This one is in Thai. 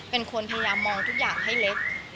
เป็นคนพยายามมองทุกอย่างให้เล็ก